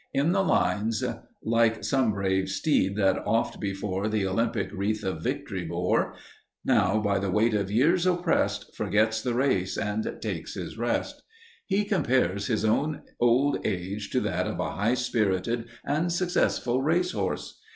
In the lines Like some brave steed that oft before The Olympic wreath of victory bore, Now by the weight of years oppressed, Forgets the race, and takes his rest he compares his own old age to that of a high spirited and successful race horse.